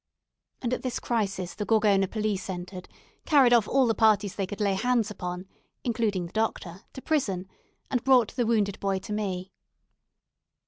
And at this crisis the Gorgona police entered, carried off all the parties they could lay hands upon (including the Doctor) to prison, and brought the wounded boy to me.